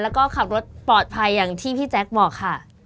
แล้วก็ขับรถปลอดภัยอย่างที่พี่แจ๊คบอกค่ะ